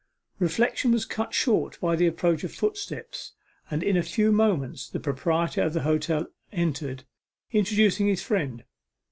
Reflection was cut short by the approach of footsteps, and in a few moments the proprietor of the hotel entered, introducing his friend.